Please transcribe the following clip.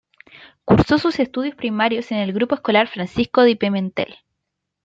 Cursó sus estudios primarios en el Grupo Escolar Francisco de Pimentel.